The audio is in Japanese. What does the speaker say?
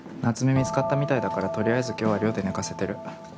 見つかったみたいだからとりあえず今日は寮で寝かせてる。